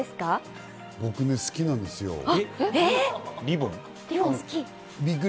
僕好きなんですよ。